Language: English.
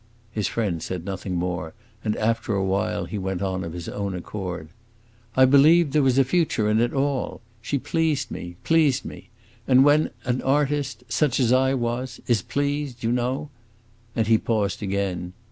His friend said nothing more, and after a while he went on of his own accord. "I believed there was a future in it all! She pleased me pleased me; and when an artist such as I was is pleased, you know!" And he paused again.